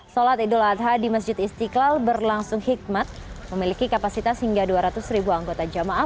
sholat idul adha di masjid istiqlal berlangsung hikmat memiliki kapasitas hingga dua ratus ribu anggota jamaah